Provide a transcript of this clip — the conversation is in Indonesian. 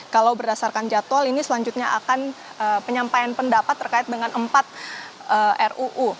kalau berdasarkan jadwal ini selanjutnya akan penyampaian pendapat terkait dengan empat ruu